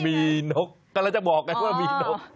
มีนกกำลังจะบอกไงว่ามีนก